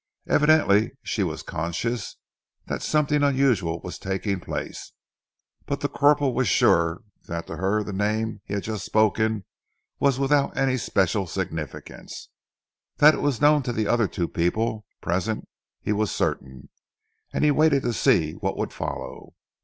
Evidently she was conscious that something unusual was taking place, but the corporal was sure that to her the name he had just spoken was without any special significance. That it was known to the other two people present he was certain, and he waited to see what would follow.